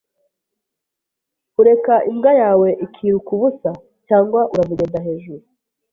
Ureka imbwa yawe ikiruka ubusa cyangwa uramugenda hejuru?